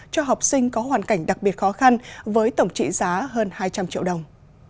cho học sinh có hoàn cảnh đặc biệt khó khăn với tổng trị giá hơn hai trăm linh triệu đồng